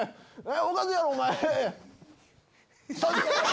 おかしいやろお前！